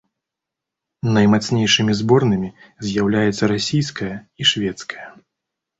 Наймацнейшымі зборнымі з'яўляюцца расійская і шведская.